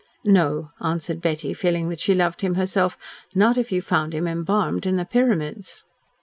"No," answered Betty, feeling that she loved him herself, "not if you found him embalmed in the Pyramids."